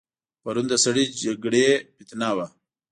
پرون د سړې جګړې فتنه وه.